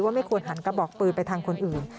ไม่ควรหันกระบอกปืนไปทางคนอื่น